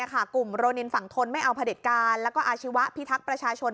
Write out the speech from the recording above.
กลุ่มโรนินฝั่งทนไม่เอาผลิตการแล้วก็อาชีวะพิทักษ์ประชาชน